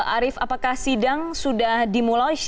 arief apakah sidang sudah dimulai